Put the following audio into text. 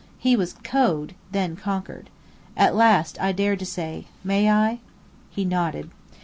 He was cowed, then conquered. At last I dared to say: "May I?" He nodded.